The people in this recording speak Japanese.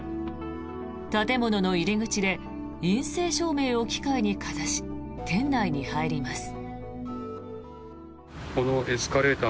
建物の入り口で陰性証明を機械にかざし店内に入ります。